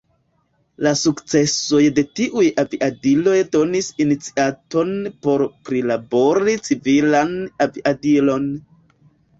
La sukcesoj de tiuj aviadiloj donis iniciaton por prilabori civilan aviadilon.